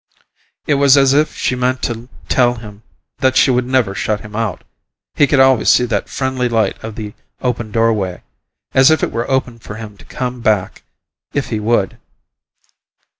It was as if she meant to tell him that she would never shut him out; he could always see that friendly light of the open doorway as if it were open for him to come back, if he would.